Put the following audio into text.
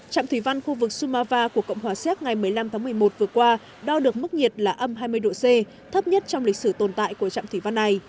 trạm thủy văn khu vực sumava của cộng hòa xéc ngày một mươi năm tháng một mươi một vừa qua đo được mức nhiệt là âm hai mươi độ c thấp nhất trong lịch sử tồn tại của trạm thủy văn này